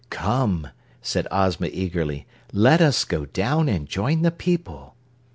"Come," said Ozma eagerly, "let us go down and join the people."